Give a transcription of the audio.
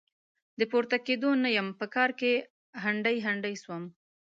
د پورته کېدو نه يم؛ په کار کې هنډي هنډي سوم.